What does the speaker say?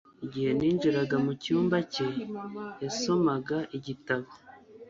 Igihe ninjiraga mu cyumba cye yasomaga igitabo